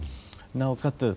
なおかつ